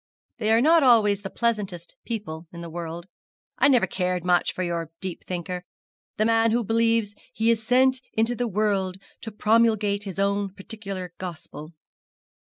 'They are not always the pleasantest people in the world. I never cared much for your deep thinker the man who believes he is sent into the world to promulgate his own particular gospel.